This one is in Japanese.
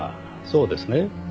そうですね？